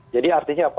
jadi artinya apa